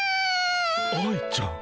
愛ちゃん。